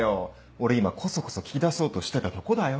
俺今こそこそ聞き出そうとしてたとこだよ？